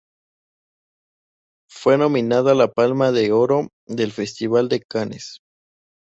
Fue nominada a la Palma de Oro del Festival de Cannes.